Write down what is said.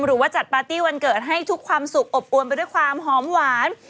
หรือว่าจัดปาร์ตี้วันเกิดให้ทุกความสุขอบอวนไปด้วยความหอมหวาน